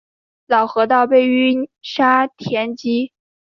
老河道被淤沙填积。